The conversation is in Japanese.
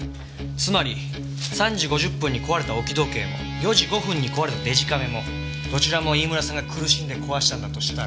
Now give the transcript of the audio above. つまり３時５０分に壊れた置き時計も４時５分に壊れたデジカメもどちらも飯村さんが苦しんで壊したんだとしたら？